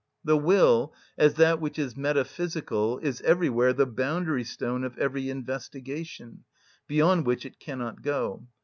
The will, as that which is metaphysical, is everywhere the boundary‐stone of every investigation, beyond which it cannot go.